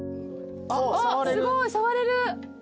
あっすごい触れる。